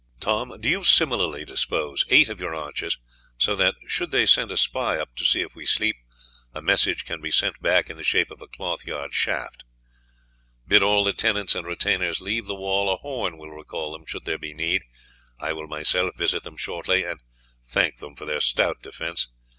Tom, do you similarly dispose eight of your archers so that should they send a spy up to see if we sleep, a message can be sent back in the shape of a cloth yard shaft. Bid all the tenants and retainers leave the wall; a horn will recall them should there be need. I will myself visit them shortly, and thank them for their stout defence.